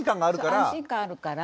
安心感あるから。